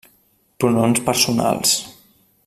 Pronoms personals: